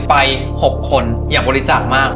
ไป๖คนอยากบริจาคมาก